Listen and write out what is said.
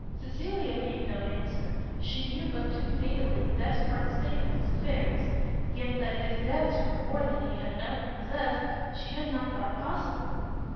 Cecilia made no answer: she knew but too fatally the desperate state of his affairs, yet that his debts were more than he had ever possessed, she had not thought possible.